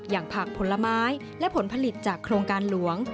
อย่างผักผลไม้และผลผลิตจากโครงการหลวง